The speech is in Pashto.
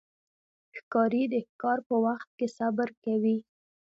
ښکاري د ښکار په وخت کې صبر کوي.